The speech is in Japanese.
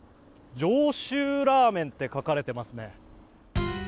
上州ラーメンって書かれてますね。